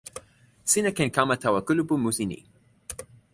sina ken kama tawa kulupu musi ni.